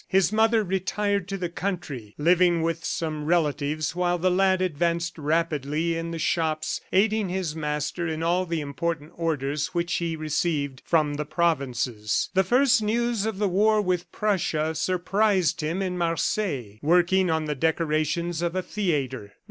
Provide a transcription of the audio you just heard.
His mother retired to the country, living with some relatives while the lad advanced rapidly in the shops, aiding his master in all the important orders which he received from the provinces. The first news of the war with Prussia surprised him in Marseilles, working on the decorations of a theatre.